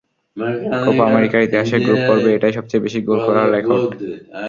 Copa আমেরিকার ইতিহাসে group পর্বে এটাই সবচেয়ে বেশি গোল করার রেকর্ড।